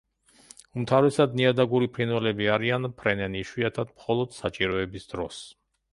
უმთავრესად ნიადაგური ფრინველები არიან, ფრენენ იშვიათად, მხოლოდ საჭიროების დროს.